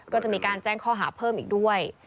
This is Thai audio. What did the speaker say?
ก็จะมีการแจ้งข้อหาเพิ่มอีกด้วย